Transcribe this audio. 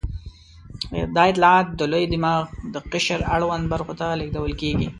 دا اطلاعات د لوی دماغ د قشر اړوندو برخو ته لېږدول کېږي.